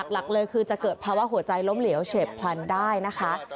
หลักเลยคือจะเกิดภาวะหัวใจล้มเหลวเฉียบพลันได้นะคะ